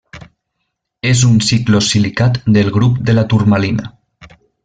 És un ciclosilicat del grup de la turmalina.